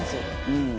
うん。